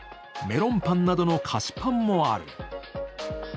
メロンパンなどの菓子パンもある。